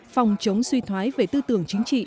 phòng chống suy thoái về tư tưởng chính trị